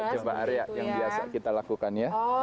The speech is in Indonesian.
coba area yang biasa kita lakukan ya